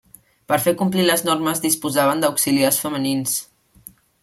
Per fer complir les normes disposaven d'auxiliars femenins.